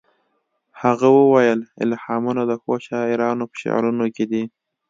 هغه وویل الهامونه د ښو شاعرانو په شعرونو کې دي